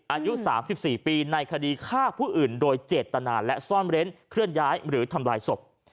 อายุ๓๔ปีในคดีฆ่าผู้อื่นโดยเจตนาและซ่อนเร้นเคลื่อนย้ายหรือทำลายศพ